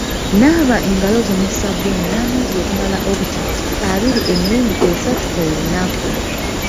Naaba engalo zo ne sabbuuni n'amazzi okumala obutikitiki abiri emirundi esatu olunaku.